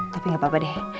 tapi gapapa deh